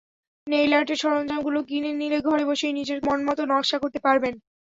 Nail আর্টের সরঞ্জামগুলো কিনে নিলে ঘরে বসেই নিজের মনমতো নকশা করতে পারবেন।